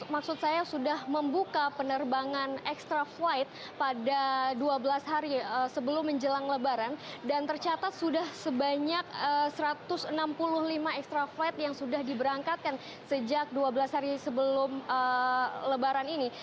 maksud saya sudah membuka penerbangan ekstra flight pada dua belas hari sebelum menjelang lebaran dan tercatat sudah sebanyak satu ratus enam puluh lima extra flight yang sudah diberangkatkan sejak dua belas hari sebelum lebaran ini